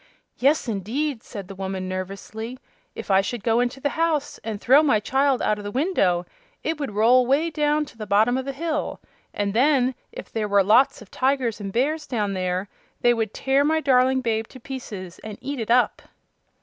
"Yes, indeed," said the woman, nervously. "If I should go into the house and throw my child out of the window, it would roll way down to the bottom of the hill; and then if there were a lot of tigers and bears down there, they would tear my darling babe to pieces and eat it up!"